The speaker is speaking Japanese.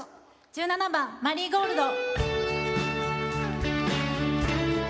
１７番「マリーゴールド」。